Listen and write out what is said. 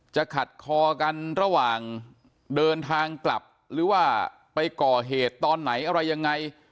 ขัดคอกันระหว่างเดินทางกลับหรือว่าไปก่อเหตุตอนไหนอะไรยังไง